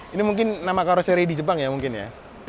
ini mungkin nama karoseri di jepang ya mungkin ya